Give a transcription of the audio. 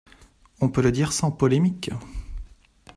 On peut le dire sans polémique.